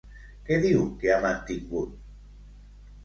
Què diu que ha mantingut?